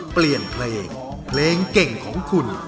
เปลี่ยนเพลงเพลงเก่งของคุณ